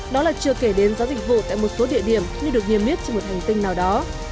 đó là chưa kể đến giá dịch vụ tại một số địa điểm như được niêm yết trên một hành tinh nào đó